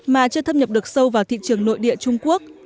mà chưa thâm nhập được sâu vào thị trường nội địa trung quốc